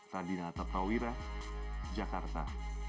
radina tertawira jakarta